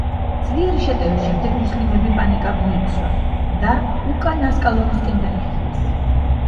ძლიერი შეტევის შემდეგ მუსლიმები პანიკამ მოიცვა და უკან ასკალონისკენ დაიხიეს.